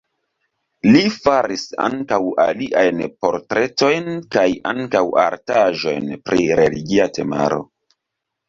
Li faris ankaŭ aliajn portretojn kaj ankaŭ artaĵojn pri religia temaro.